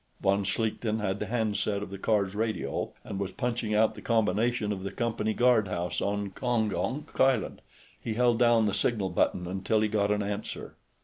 Von Schlichten had the handset of the car's radio, and was punching out the combination of the Company guardhouse on Gongonk Island; he held down the signal button until he got an answer.